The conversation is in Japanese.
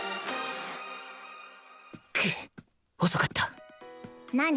くっ遅かった何？